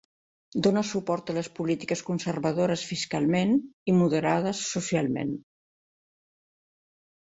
Dona suport a les polítiques conservadores fiscalment i moderades socialment.